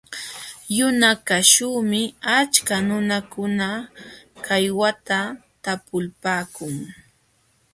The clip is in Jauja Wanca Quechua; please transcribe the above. Yunakaćhuumi achka nunakuna kaywata talpupaakun.